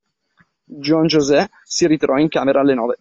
Juan José si ritirò in camera alle nove.